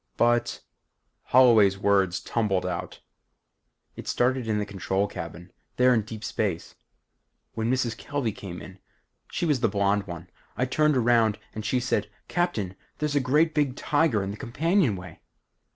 "But " Holloway's words tumbled out. "It started in the control cabin there in deep space. When Mrs. Kelvey came in. She was the blonde one. I turned around and she said, 'Captain, there's a great big tiger in the companionway.'"